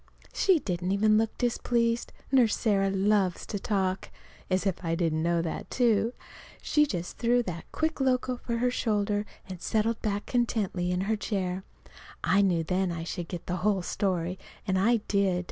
She didn't even look displeased Nurse Sarah loves to talk. (As if I didn't know that, too!) She just threw that quick look of hers over her shoulder and settled back contentedly in her chair. I knew then I should get the whole story. And I did.